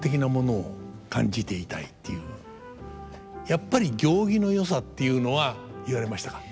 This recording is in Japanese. やっぱり行儀のよさっていうのは言われましたか？